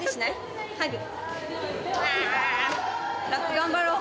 頑張ろう。